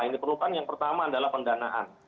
yang diperlukan yang pertama adalah pendanaan